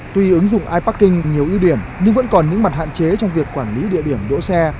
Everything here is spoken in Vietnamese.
tuy ứng dụng iparking nhiều ưu điểm nhưng vẫn còn những mặt hạn chế trong việc quản lý địa điểm đỗ xe